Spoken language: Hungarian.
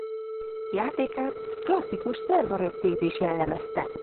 Játékát klasszikus szerva-röptézés jellemezte.